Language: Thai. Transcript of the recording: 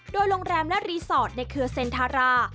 โดยโรงแรมและรีสอร์ทในเครือเซ็นทารา